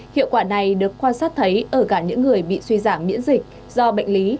hiệu quả này được quan sát thấy ở cả những người bị suy giảm miễn dịch do bệnh lý